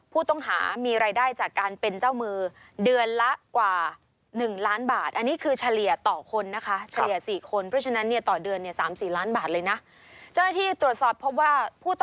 ผู้ต้องหามีรายได้จากการเป็นเจ้ามือเดือนละกว่า๑ล้านบาทเลยนะ